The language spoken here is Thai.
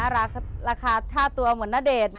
ราคาท่าตัวเหมือนณเดชน์